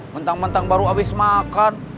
mentang mentang baru habis makan